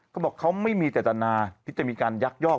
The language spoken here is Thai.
เขาบอกเขาไม่มีเจตนาที่จะมีการยักยอก